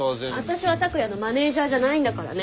私は拓哉のマネージャーじゃないんだからね。